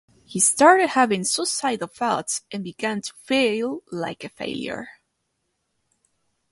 He started having suicidal thoughts and began to feel like a failure.